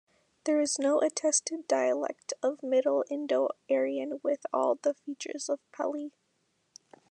There is no attested dialect of Middle Indo-Aryan with all the features of Pali.